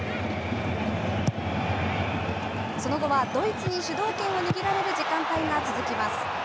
その後はドイツに主導権を握られる時間帯が続きます。